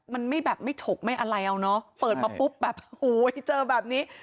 มันไม่แบบไม่ฉกไม่อะไรเอาเนอะเปิดมาปุ๊บแบบโอ้โหเจอแบบนี้